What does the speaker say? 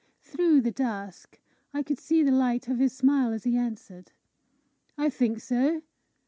Through the dusk I could see the light of his smile as he answered, "I think so.